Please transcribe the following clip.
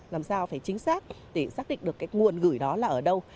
làm sao phải chính xác để xác định được cái nguồn gửi đó là ở đâu